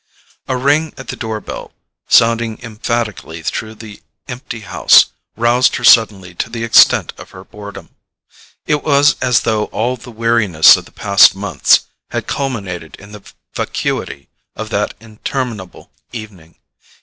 A ring at the door bell, sounding emphatically through the empty house, roused her suddenly to the extent of her boredom. It was as though all the weariness of the past months had culminated in the vacuity of that interminable evening.